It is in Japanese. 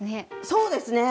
そうですね。